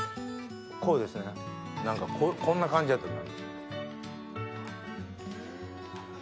こうですよね何かこんな感じやったな。